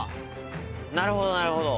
なるほどなるほど。